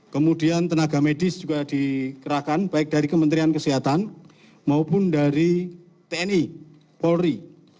kemudian tenaga medis juga dikerahkan baik dari kementerian kesehatan maupun dari tni polri